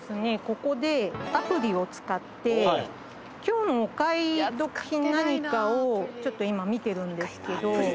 ここでアプリを使って今日のお買い得品何かをちょっと今見てるんですけど。